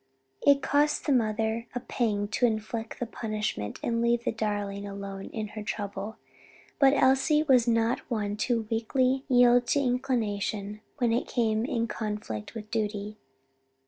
It cost the mother a pang to inflict the punishment and leave the darling alone in her trouble; but Elsie was not one to weakly yield to inclination when it came in conflict with duty.